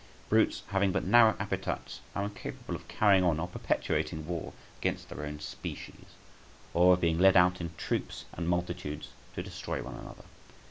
Brutes having but narrow appetites, are incapable of carrying on or perpetuating war against their own species, or of being led out in troops and multitudes to destroy one another.